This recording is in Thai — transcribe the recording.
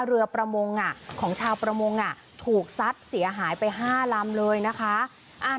เรือประมงของชาวประมงถูกซัดเสียหายไป๕ลำเลยนะคะ